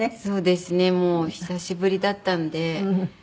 そうですね久しぶりだったんで。